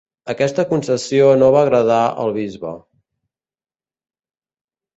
Aquesta concessió no va agradar al bisbe.